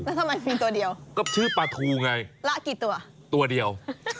แล้วทำไมมีตัวเดียวก็ชื่อปลาทูไงละกี่ตัวตัวเดียว